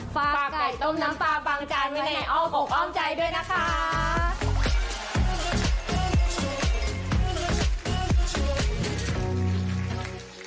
ฟาไก่ต้มน้ำฟาปังใจไว้ในอ้อมโปรกอ้อมใจด้วยนะคะ